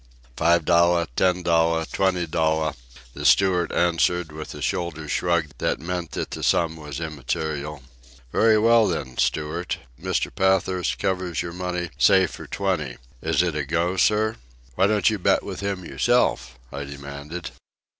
"Five dollar, ten dollar, twenty dollar," the steward answered, with a shoulder shrug that meant that the sum was immaterial. "Very well then, steward. Mr. Pathurst covers your money, say for twenty. Is it a go, sir?" "Why don't you bet with him yourself?" I demanded.